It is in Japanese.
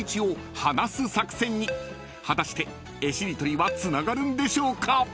［果たして絵しりとりはつながるんでしょうか？］